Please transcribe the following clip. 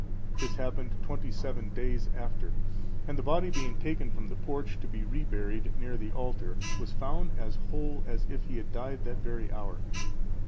This happened twenty seven days after, and the body being taken from the porch, to be re buried near the altar, was found as whole as if he had died that very hour.